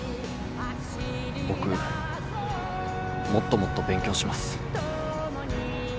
僕もっともっと勉強します。